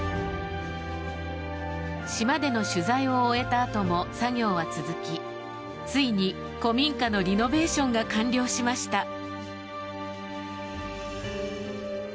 島での取材を終えたあとも作業は続きついに古民家のリノベーションが完了しました。